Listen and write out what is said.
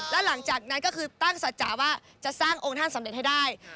แล้วหลังจากนั้นก็คือตั้งสัจจะว่าจะสร้างองค์ท่านสำเร็จให้ได้